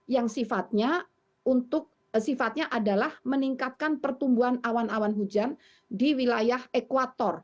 yang sifatnya untuk sifatnya adalah meningkatkan pertumbuhan awan awan hujan di wilayah ekwator